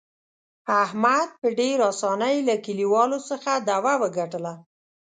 احمد په ډېر اسانۍ له کلیوالو څخه دعوه وګټله.